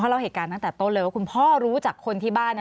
เล่าเหตุการณ์ตั้งแต่ต้นเลยว่าคุณพ่อรู้จักคนที่บ้าน